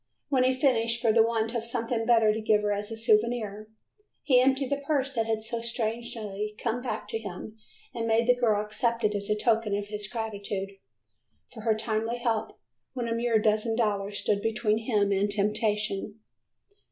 When he finished, for the want of something better to give her as a souvenir, he emptied the purse that had so strangely come back to him and made the girl accept it as a token of his gratitude for her timely help, when a mere dozen dollars stood between him and temptation.